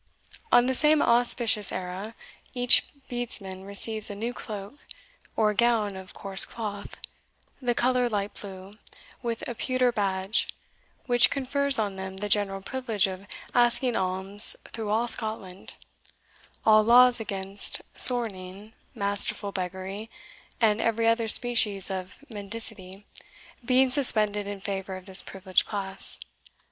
On the same auspicious era, each Bedesman receives a new cloak, or gown of coarse cloth, the colour light blue, with a pewter badge, which confers on them the general privilege of asking alms through all Scotland, all laws against sorning, masterful beggary, and every other species of mendicity, being suspended in favour of this privileged class.